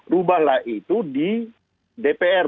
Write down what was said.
rubahlah itu di dpr